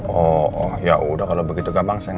oh yaudah kalau begitu gak bang sayang